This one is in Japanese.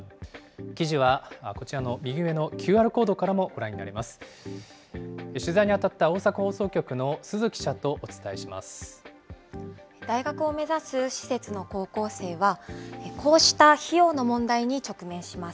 記事はこちらの右上のＱＲコードからもご覧になれます。